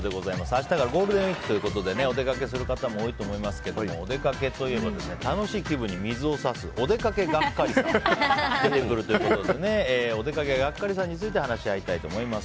明日からゴールデンウィークということでお出かけする方も多いと思いますけどもお出かけといえば楽しい気分に水を差すおでかけガッカリさんが出てくるということでおでかけガッカリさんについて話し合いたいと思います。